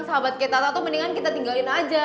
sahabat kayak tata tuh mendingan kita tinggalin aja